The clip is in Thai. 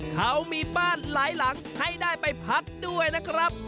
เขามีบ้านหลายหลังให้ได้ไปพักด้วยนะครับ